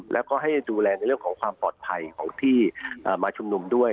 แล้วก็ให้ดูแลในเรื่องของความปลอดภัยของที่มาชุมนุมด้วย